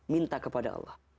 minta kepada allah